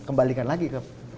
kembalikan lagi ke ppk